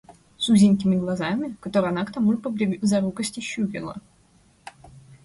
с узенькими глазами, которые она к тому же по близорукости щурила,